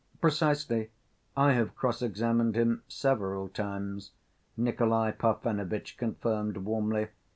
"Precisely. I have cross‐examined him several times," Nikolay Parfenovitch confirmed warmly.